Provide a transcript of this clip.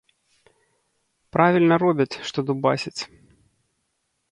Правільна робяць, што дубасяць.